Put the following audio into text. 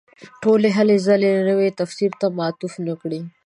ټولې هلې ځلې نوي تفسیر ته معطوف نه کړي.